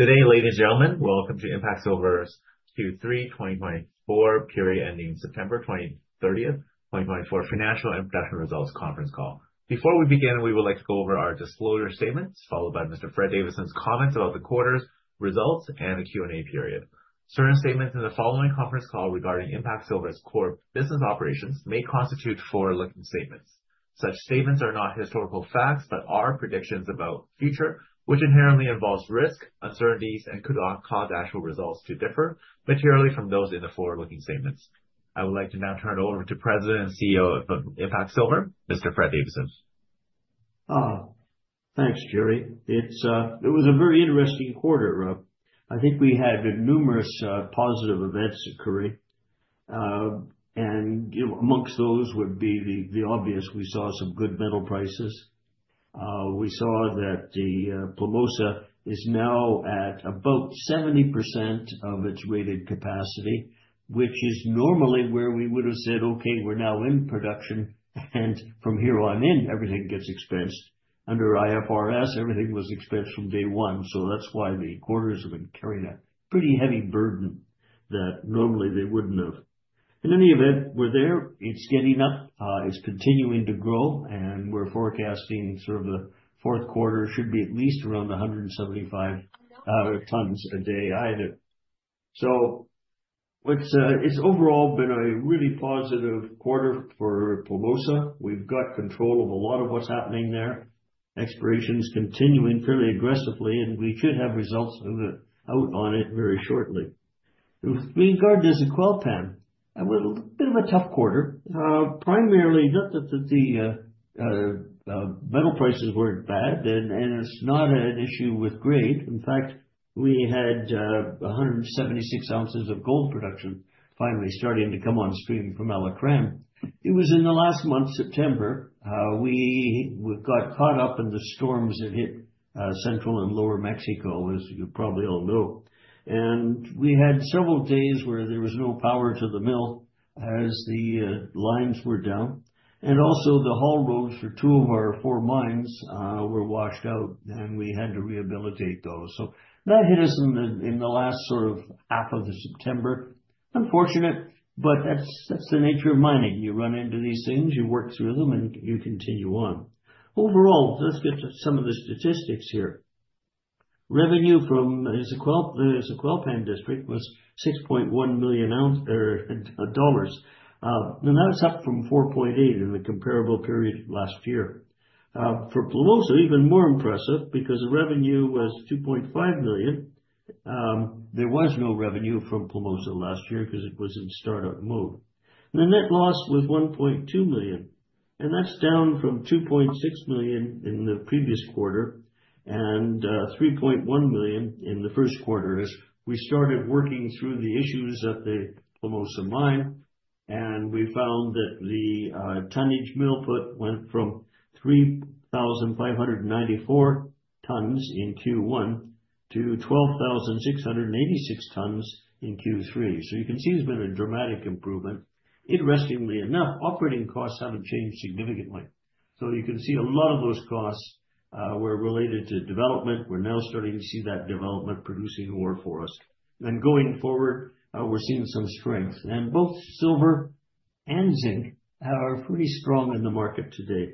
Good day, ladies and gentlemen. Welcome to IMPACT Silver's Q3 2024 period ending September thirtieth, 2024 financial and production results conference call. Before we begin, we would like to go over our disclosure statements followed by Mr. Fred Davidson's comments about the quarter's results and the Q&A period. Certain statements in the following conference call regarding IMPACT Silver's core business operations may constitute forward-looking statements. Such statements are not historical facts, but are predictions about future, which inherently involves risks, uncertainties, and could cause actual results to differ materially from those in the forward-looking statements. I would like to now turn it over to President and CEO of IMPACT Silver, Mr. Fred Davidson. Thanks, Jerry. It was a very interesting quarter. I think we had numerous positive events occur, and amongst those would be the obvious. We saw some good metal prices. We saw that Plomosas is now at about 70% of its rated capacity, which is normally where we would have said, "Okay, we're now in production, and from here on in, everything gets expensed." Under IFRS, everything was expensed from day one. That's why the quarters have been carrying a pretty heavy burden that normally they wouldn't have. In any event, we're there. It's steady enough. It's continuing to grow, and we're forecasting sort of the fourth quarter should be at least around 175 tons a day either. It's overall been a really positive quarter for Plomosas. We've got control of a lot of what's happening there. Exploration is continuing fairly aggressively, and we should have results of it out on it very shortly. With regard to the Zacualpan, a little bit of a tough quarter. Primarily not that the metal prices were bad and it's not an issue with grade. In fact, we had 176 ounces of gold production finally starting to come on stream from Alacrán. It was in the last month, September. We got caught up in the storms that hit central and lower Mexico, as you probably all know. We had several days where there was no power to the mill as the lines were down. Also the haul roads for two of our four mines were washed out, and we had to rehabilitate those. That hit us in the last sort of half of September. Unfortunate, but that's the nature of mining. You run into these things, you work through them, and you continue on. Overall, let's get to some of the statistics here. Revenue from the Zacualpan district was 6.1 million dollars. And that's up from 4.8 in the comparable period last year. For Plomosas, even more impressive because the revenue was 2.5 million. There was no revenue from Plomosas last year 'cause it was in startup mode. The net loss was 1.2 million, and that's down from 2.6 million in the previous quarter and 3.1 million in the first quarter as we started working through the issues at the Plomosas mine. We found that the tonnage milled went from 3,594 tons in Q1 to 12,686 tons in Q3. You can see there's been a dramatic improvement. Interestingly enough, operating costs haven't changed significantly. You can see a lot of those costs were related to development. We're now starting to see that development producing ore for us. Going forward, we're seeing some strength. Both silver and zinc are pretty strong in the market today.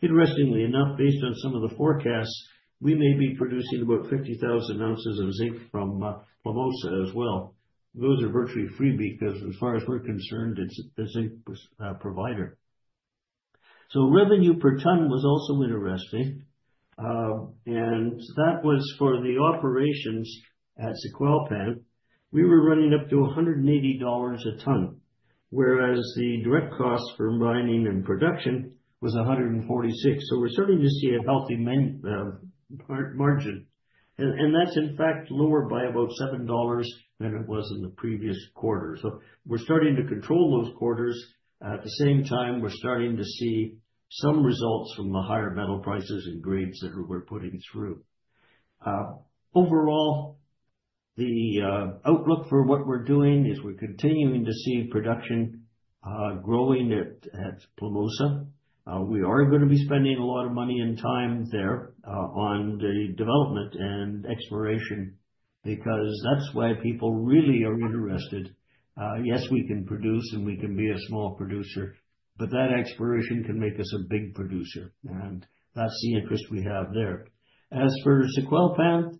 Interestingly enough, based on some of the forecasts, we may be producing about 50,000 ounces of zinc from Plomosas as well. Those are virtually free because as far as we're concerned, it's a zinc byproduct. Revenue per ton was also interesting. That was for the operations at Zacualpan. We were running up to $180 a ton, whereas the direct cost for mining and production was $146. We're starting to see a healthy margin. That's in fact lower by about $7 than it was in the previous quarter. We're starting to control those costs. At the same time, we're starting to see some results from the higher metal prices and grades that we're putting through. Overall, the outlook for what we're doing is we're continuing to see production growing at Plomosas. We are gonna be spending a lot of money and time there on the development and exploration because that's why people really are interested. Yes, we can produce and we can be a small producer, but that exploration can make us a big producer. That's the interest we have there. As for Zacualpan,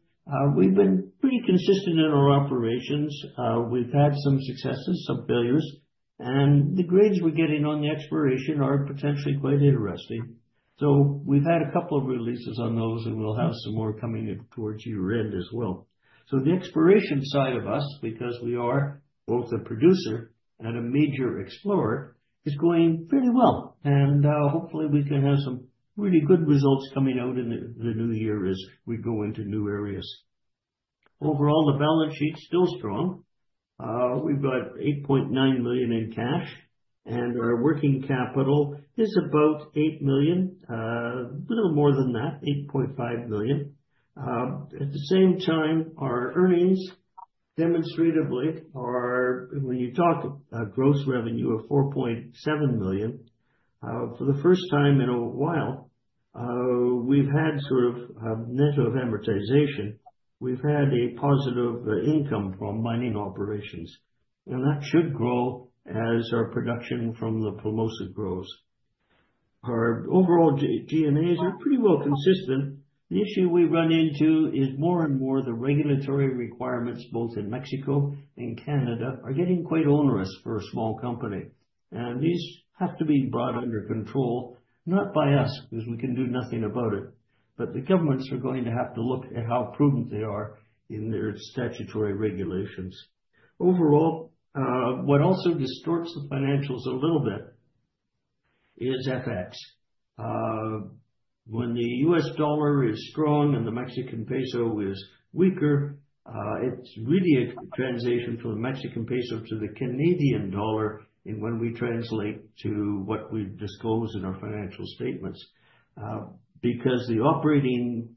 we've been pretty consistent in our operations. We've had some successes, some failures, and the grades we're getting on the exploration are potentially quite interesting. We've had a couple of releases on those, and we'll have some more coming in towards year-end as well. The exploration side of us, because we are both a producer and a major explorer, is going fairly well. Hopefully we can have some really good results coming out in the new year as we go into new areas. Overall, the balance sheet's still strong. We've got 8.9 million in cash, and our working capital is about 8 million, a little more than that, 8.5 million. At the same time, our earnings demonstrably are, when you talk about a gross revenue of 4.7 million, for the first time in a while, we've had sort of net of amortization. We've had a positive income from mining operations and that should grow as our production from the Plomosas grows. Our overall G&A's are pretty well consistent. The issue we run into is more and more the regulatory requirements, both in Mexico and Canada, are getting quite onerous for a small company. These have to be brought under control, not by us, because we can do nothing about it, but the governments are going to have to look at how prudent they are in their statutory regulations. Overall, what also distorts the financials a little bit is FX. When the U.S. dollar is strong and the Mexican peso is weaker, it's really a translation from the Mexican peso to the Canadian dollar in when we translate to what we've disclosed in our financial statements. Because the operating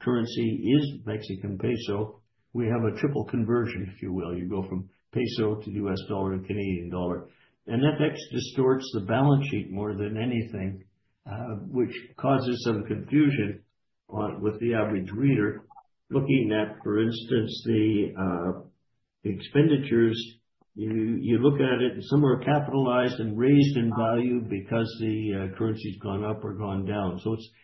currency is Mexican peso, we have a triple conversion, if you will. You go from peso to U.S. dollar to Canadian dollar. That distorts the balance sheet more than anything, which causes some confusion on, with the average reader looking at, for instance, the expenditures. You look at it, and some are capitalized and raised in value because the currency's gone up or gone down.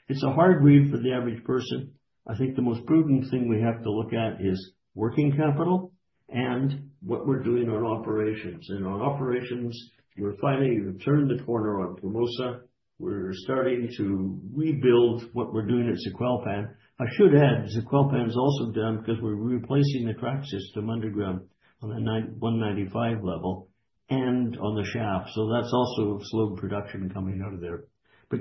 It's a hard read for the average person. I think the most prudent thing we have to look at is working capital and what we're doing on operations. On operations, we're finally, we've turned the corner on Plomosas. We're starting to rebuild what we're doing at Zacualpan. I should add, Zacualpan is also down because we're replacing the track system underground on the 9,195 level and on the shaft. That's also slowed production coming out of there.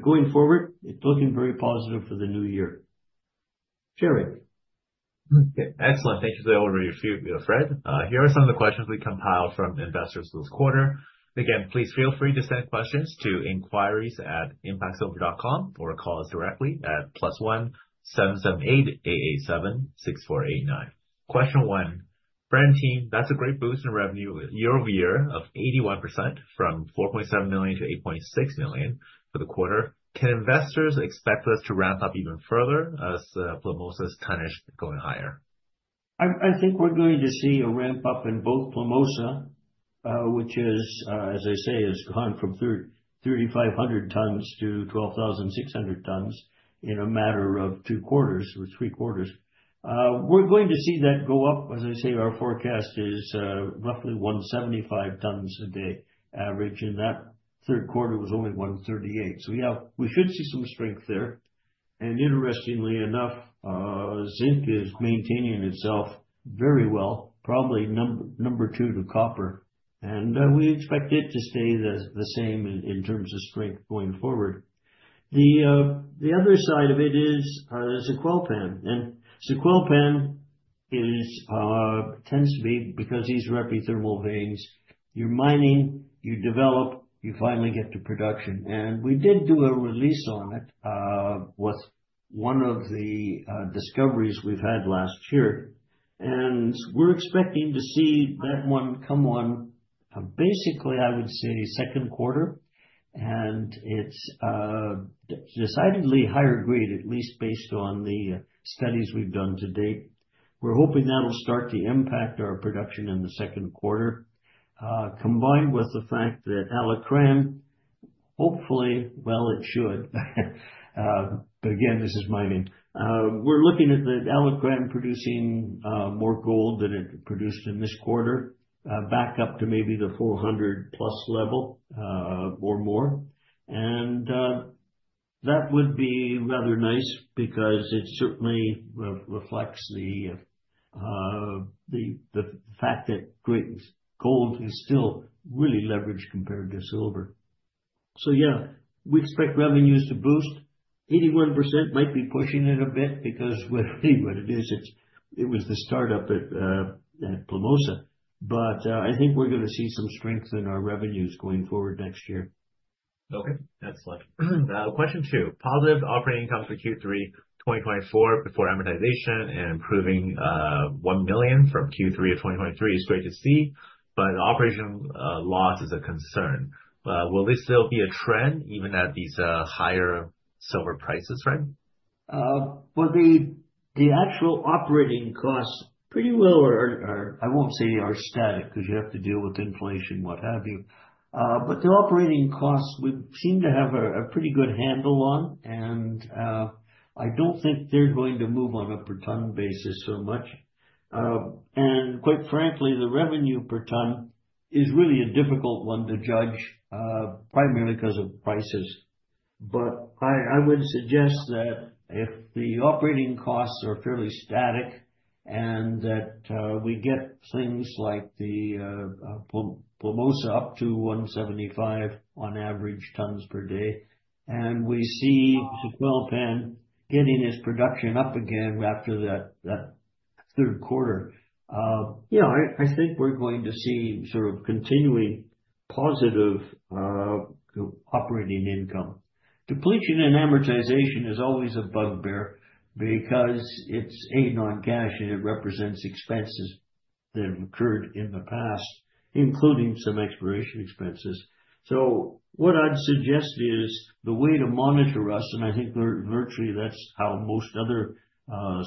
Going forward, it's looking very positive for the new year. Jerry. Okay. Excellent. Thank you for the overview, Fred. Here are some of the questions we compiled from investors this quarter. Again, please feel free to send questions to inquiries@impactsilver.com or call us directly at +1-778-888-7649. Question 1. Fred and team, that's a great boost in revenue year-over-year of 81% from 4.7 million-8.6 million for the quarter. Can investors expect this to ramp up even further as Plomosas's tonnage going higher? I think we're going to see a ramp-up in both Plomosas, which is, as I say, has gone from 3,500 tons to 12,600 tons in a matter of two quarters or three quarters. We're going to see that go up. As I say, our forecast is roughly 175 tons a day average, and that third quarter was only 138. So yeah, we should see some strength there. Interestingly enough, zinc is maintaining itself very well, probably number two to copper. We expect it to stay the same in terms of strength going forward. The other side of it is Zacualpan. Zacualpan tends to be, because these are epithermal veins, you're mining, you develop, you finally get to production. We did do a release on it, with one of the discoveries we've had last year. We're expecting to see that one come on, basically. I would say second quarter, and it's decidedly higher grade, at least based on the studies we've done to date. We're hoping that'll start to impact our production in the second quarter, combined with the fact that Alacrán should. Again, this is mining. We're looking at the Alacrán producing more gold than it produced in this quarter, back up to maybe the 400+ level, or more. That would be rather nice because it certainly reflects the fact that gold is still really leveraged compared to silver. Yeah, we expect revenues to boost. 81% might be pushing it a bit because what it is, it was the startup at Plomosas. I think we're gonna see some strength in our revenues going forward next year. Okay. Excellent. Question two. Positive operating costs for Q3 2024 before amortization and improving 1 million from Q3 of 2023 is great to see, but operating loss is a concern. Will this still be a trend even at these higher silver prices, Fred? Well, the actual operating costs pretty well are. I won't say are static 'cause you have to deal with inflation, what have you. The operating costs we seem to have a pretty good handle on. I don't think they're going to move on a per ton basis so much. Quite frankly, the revenue per ton is really a difficult one to judge, primarily 'cause of prices. I would suggest that if the operating costs are fairly static and that we get things like the Plomosas up to 175 on average tons per day, and we see Zacualpan getting its production up again after that third quarter, I think we're going to see sort of continuing positive operating income. Depletion and amortization is always a bugbear because it's a non-cash, and it represents expenses that occurred in the past, including some exploration expenses. What I'd suggest is the way to monitor us, and I think virtually that's how most other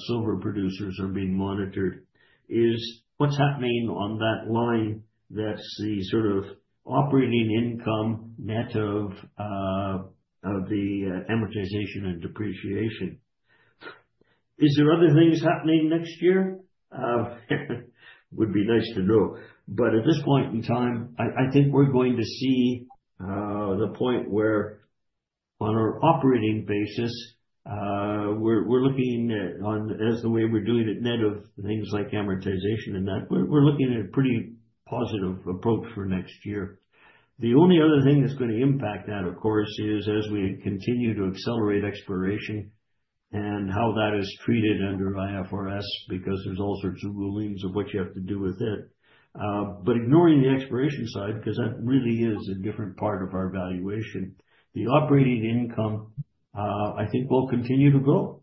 silver producers are being monitored, is what's happening on that line that's the sort of operating income net of the amortization and depreciation. Is there other things happening next year? Would be nice to know, but at this point in time, I think we're going to see the point where on our operating basis, we're looking at as the way we're doing it net of things like amortization and that, we're looking at a pretty positive approach for next year. The only other thing that's gonna impact that, of course, is as we continue to accelerate exploration and how that is treated under IFRS, because there's all sorts of rulings of what you have to do with it. Ignoring the exploration side, 'cause that really is a different part of our valuation, the operating income, I think will continue to grow.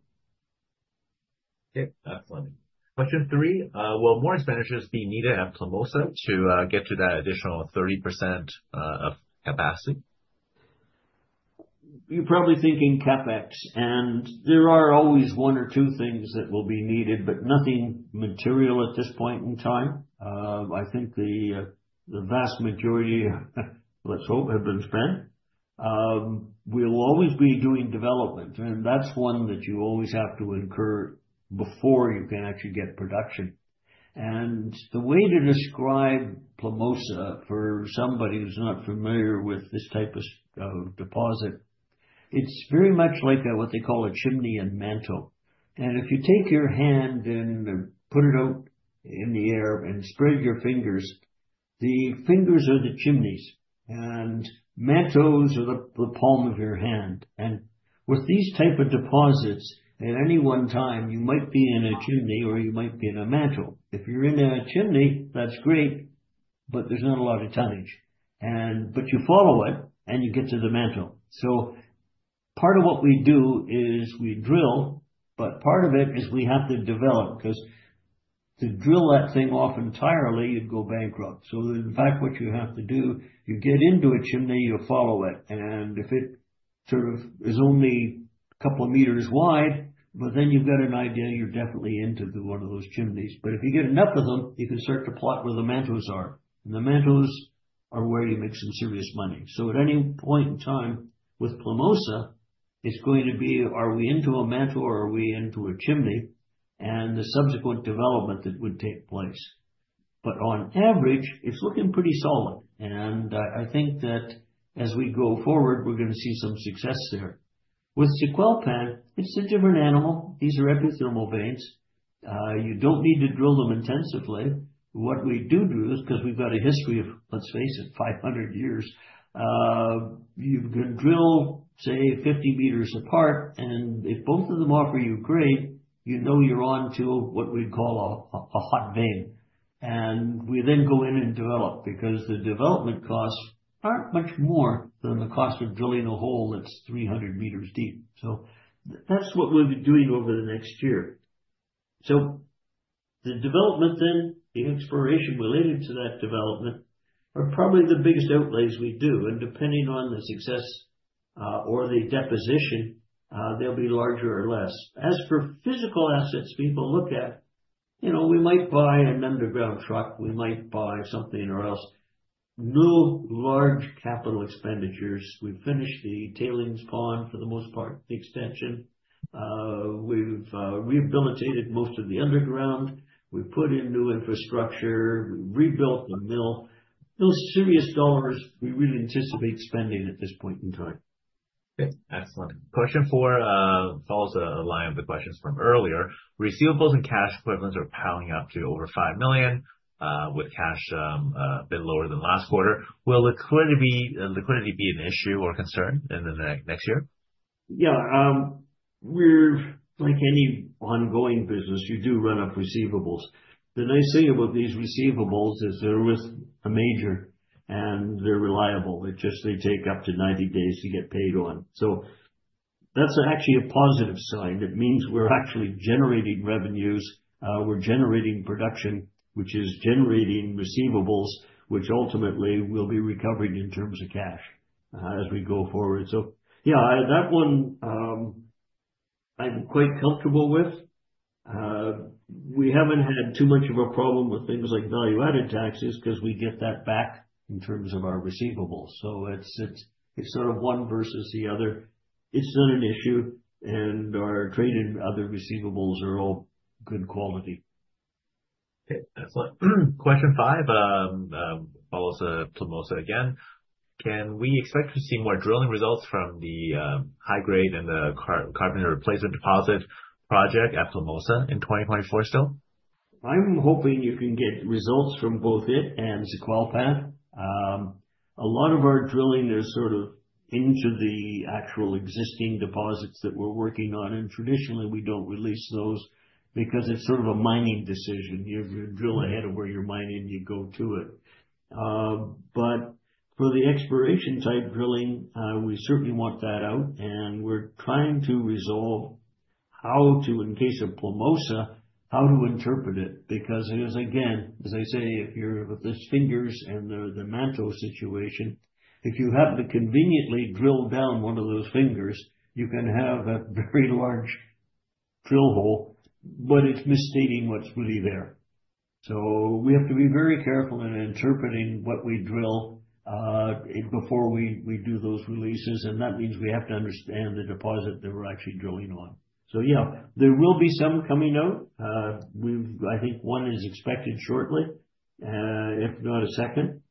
Okay, that's fine. Question 3, will more expenditures be needed at Plomosas to get to that additional 30% of capacity? You're probably thinking CapEx, and there are always one or two things that will be needed, but nothing material at this point in time. I think the vast majority, let's hope, have been spent. We'll always be doing development, and that's one that you always have to incur before you can actually get production. The way to describe Plomosas for somebody who's not familiar with this type of deposit, it's very much like what they call a chimney and mantle. If you take your hand and put it out in the air and spread your fingers, the fingers are the chimneys and mantles are the palm of your hand. With these type of deposits, at any one time, you might be in a chimney, or you might be in a mantle. If you're in a chimney, that's great, but there's not a lot of tonnage. You follow it, and you get to the mantle. Part of what we do is we drill, but part of it is we have to develop. 'Cause to drill that thing off entirely, you'd go bankrupt. In fact, what you have to do, you get into a chimney, you follow it, and if it sort of is only a couple of meters wide, but then you've got an idea you're definitely into one of those chimneys. If you get enough of them, you can start to plot where the mantles are, and the mantles are where you make some serious money. At any point in time with Plomosas, it's going to be, are we into a mantle or are we into a chimney, and the subsequent development that would take place. On average, it's looking pretty solid. I think that as we go forward, we're gonna see some success there. With Zacualpan, it's a different animal. These are epithermal veins. You don't need to drill them intensively. What we do is, 'cause we've got a history of, let's face it, 500 years, you can drill, say 50 meters apart, and if both of them offer you grade, you know you're onto what we'd call a hot vein. We then go in and develop, because the development costs aren't much more than the cost of drilling a hole that's 300 meters deep. That's what we'll be doing over the next year. The development then, the exploration related to that development are probably the biggest outlays we do, and depending on the success or the decision, they'll be larger or less. As for physical assets people look at, you know, we might buy an underground truck, we might buy something or else. No large capital expenditures. We've finished the tailings pond for the most part, the extension. We've rehabilitated most of the underground. We've put in new infrastructure. We've rebuilt the mill. No serious dollars we really anticipate spending at this point in time. Okay. Excellent. Question four follows a line with questions from earlier. Receivables and cash equivalents are piling up to over 5 million with cash a bit lower than last quarter. Will liquidity be an issue or concern in the next year? Yeah, we're like any ongoing business, you do run up receivables. The nice thing about these receivables is they're with a major, and they're reliable. It just they take up to 90 days to get paid on. That's actually a positive sign. It means we're actually generating revenues, we're generating production, which is generating receivables, which ultimately we'll be recovering in terms of cash, as we go forward. Yeah, that one, I'm quite comfortable with. We haven't had too much of a problem with things like value-added taxes 'cause we get that back in terms of our receivables. It's sort of one versus the other. It's not an issue, and our trade and other receivables are all good quality. Okay. Excellent. Question five follows Plomosas again. Can we expect to see more drilling results from the high-grade and the carbonate replacement deposit project at Plomosas in 2024 still? I'm hoping you can get results from both it and Zacualpan. A lot of our drilling is sort of into the actual existing deposits that we're working on, and traditionally, we don't release those because it's sort of a mining decision. You drill ahead of where you're mining, you go to it. But for the exploration type drilling, we certainly want that out, and we're trying to resolve how to, in case of Plomosas, how to interpret it, because it is again, as I say, if you're with these fingers and the mantle situation, if you happen to conveniently drill down one of those fingers, you can have a very large drill hole, but it's misstating what's really there. We have to be very careful in interpreting what we drill before we do those releases, and that means we have to understand the deposit that we're actually drilling on. Yeah, there will be some coming out. I think one is expected shortly, if not a second,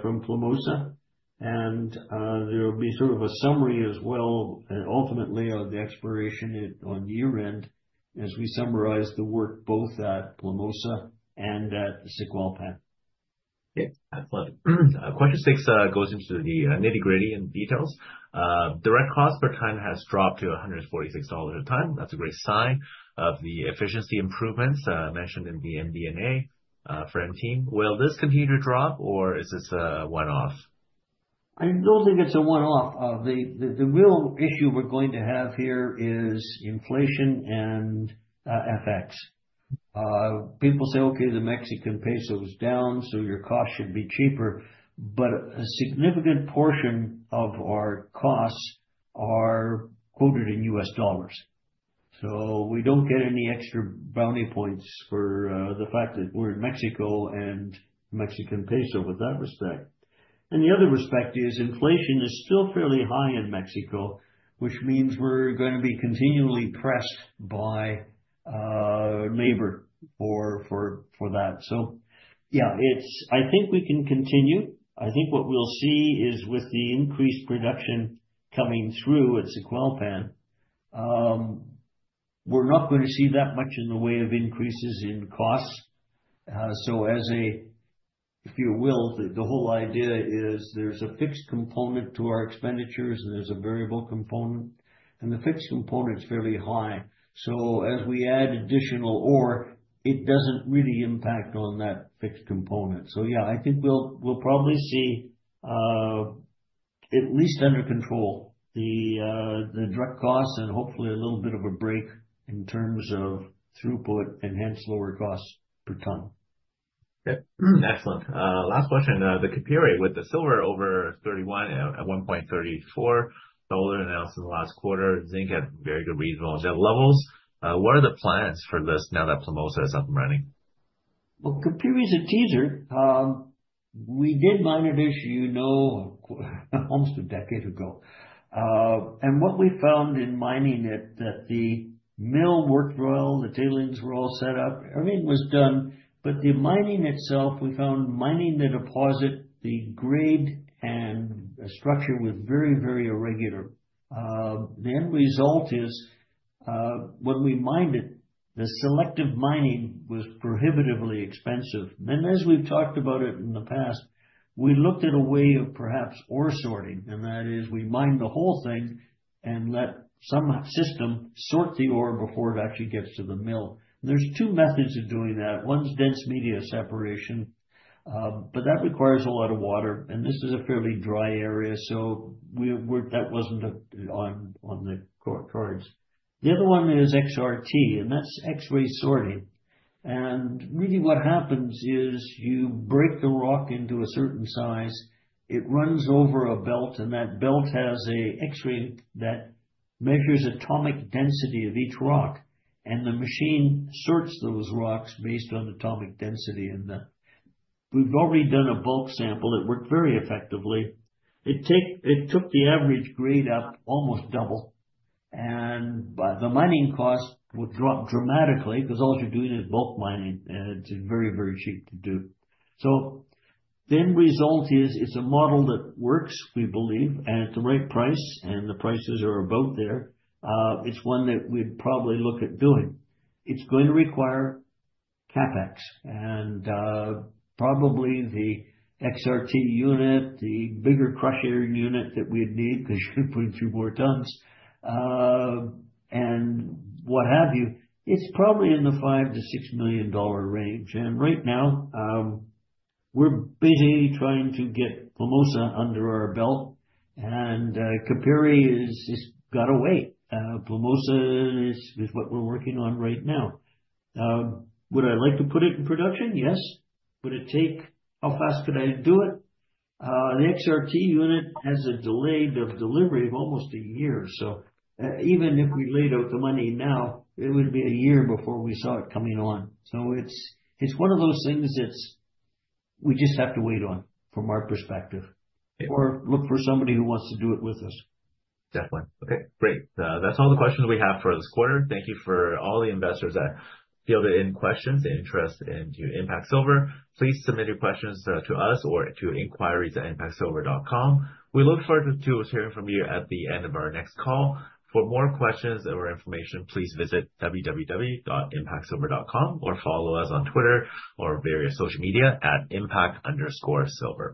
from Plomosas. There will be sort of a summary as well, and ultimately of the exploration update on year-end, as we summarize the work both at Plomosas and at Zacualpan. Yeah. Absolutely. Question six goes into the nitty-gritty and details. Direct cost per ton has dropped to $146 a ton. That's a great sign of the efficiency improvements mentioned in the MD&A for our team. Will this continue to drop or is this a one-off? I don't think it's a one-off. The real issue we're going to have here is inflation and FX. People say, "Okay, the Mexican peso is down, so your cost should be cheaper." A significant portion of our costs are quoted in U.S. dollars. We don't get any extra bonus points for the fact that we're in Mexico and Mexican peso in that respect. The other aspect is inflation is still fairly high in Mexico, which means we're gonna be continually pressed by labor for that. Yeah, I think we can continue. I think what we'll see is with the increased production coming through at Zacualpan, we're not gonna see that much in the way of increases in costs. The whole idea is there's a fixed component to our expenditures and there's a variable component, and the fixed component is fairly high. As we add additional ore, it doesn't really impact on that fixed component. Yeah, I think we'll probably see at least under control the direct costs and hopefully a little bit of a break in terms of throughput and hence lower costs per ton. Yeah. Excellent. Last question. The Capire with the silver over 31, at one point $34 announced in the last quarter. Zinc had very good regional levels. What are the plans for this now that Plomosas is up and running? Well, Capire is a teaser. We did mine it, as you know, almost a decade ago. What we found in mining it, that the mill worked well, the tailings were all set up, everything was done. But the mining itself, we found mining the deposit, the grade and the structure was very, very irregular. The end result is, when we mined it, the selective mining was prohibitively expensive. As we've talked about it in the past, we looked at a way of perhaps ore sorting, and that is we mine the whole thing and let some system sort the ore before it actually gets to the mill. There are two methods of doing that. One is dense media separation, but that requires a lot of water, and this is a fairly dry area, so that wasn't on the cards. The other one is XRT, and that's X-ray sorting. Really what happens is you break the rock into a certain size, it runs over a belt, and that belt has a X-ray that measures atomic density of each rock, and the machine sorts those rocks based on atomic density in them. We've already done a bulk sample. It worked very effectively. It took the average grade up almost double. The mining cost would drop dramatically because all you're doing is bulk mining, and it's very, very cheap to do. The end result is it's a model that works, we believe, and at the right price, and the prices are about there. It's one that we'd probably look at doing. It's going to require CapEx and probably the XRT unit, the bigger crusher unit that we'd need 'cause you're putting through more tons and what have you. It's probably in the $5 million-$6 million range. Right now, we're busy trying to get Plomosas under our belt and Capire is just gotta wait. Plomosas is what we're working on right now. Would I like to put it in production? Yes. How fast could I do it? The XRT unit has a delay of delivery of almost a year. Even if we laid out the money now, it would be a year before we saw it coming on. It's one of those things that's we just have to wait on from our perspective. Okay. Look for somebody who wants to do it with us. Definitely. Okay, great. That's all the questions we have for this quarter. Thank you for all the investors that fielded in questions and interest in IMPACT Silver. Please submit your questions to us or to inquiries@impactsilver.com. We look forward to hearing from you at the end of our next call. For more questions or information, please visit www.impactsilver.com or follow us on Twitter or various social media at Impact_Silver.